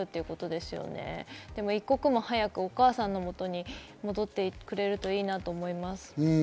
でも一刻も早くお母さんのもとに戻ってくれるといいなと思います。